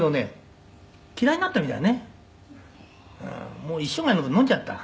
「もう一生涯の分飲んじゃった」